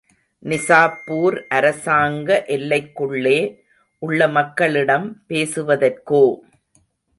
நிசாப்பூர் அரசாங்க எல்லைக்குள்ளே உள்ள மக்களிடம் பேசுவதற்கோ.